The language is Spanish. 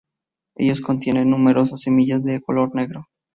Ellos contienen numerosas semillas de color negro.